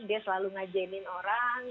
dia selalu ngajenin orang